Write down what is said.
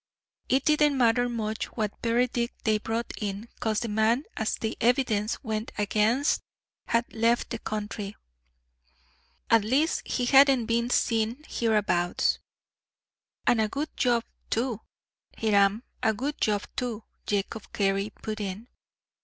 It didn't matter much what verdict they brought in, 'cause the man as the evidence went against had left the country at least, he hadn't been seen hereabouts." "And a good job too, Hiram a good job too," Jacob Carey put in.